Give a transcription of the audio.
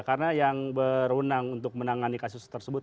karena yang berundang untuk menangani kasus tersebut